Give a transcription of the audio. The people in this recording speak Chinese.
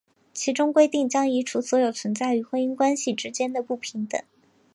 其中规定将移除所有存在于婚姻关系之间的不平等。